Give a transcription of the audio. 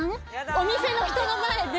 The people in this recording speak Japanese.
お店の人の前で。